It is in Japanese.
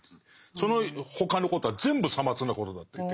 そのほかのことは全部さまつなことだ」っていって。